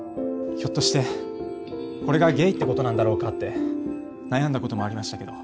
ひょっとしてこれがゲイってことなんだろうかって悩んだこともありましたけど。